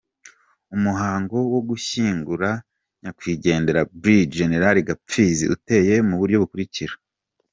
Umuhango wo gushyingura Nyakwigendera Brig Gen Gapfizi uteye mu buryo bukurikira:.